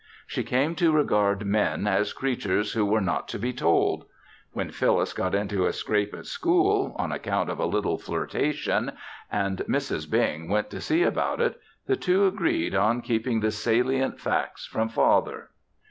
She came to regard men as creatures who were not to be told. When Phyllis got into a scrape at school, on account of a little flirtation, and Mrs. Bing went to see about it, the two agreed on keeping the salient facts from father.